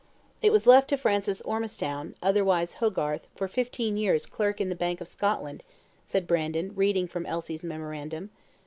"It was left to Francis Ormistown, otherwise Hogarth, for fifteen years clerk in the Bank of Scotland," said Brandon, reading from Elsie's memorandum.